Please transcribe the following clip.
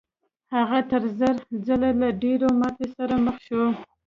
هغه تر زر ځله له ډېرې ماتې سره مخ شو.